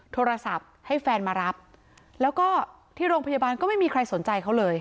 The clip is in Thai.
โทรศัพท์ให้แฟนมารับแล้วก็ที่โรงพยาบาลก็ไม่มีใครสนใจเขาเลย